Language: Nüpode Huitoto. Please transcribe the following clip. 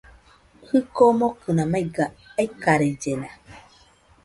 Jɨko omokɨna maiga, aikarellena